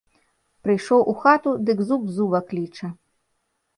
Прыйшоў у хату, дык зуб зуба кліча.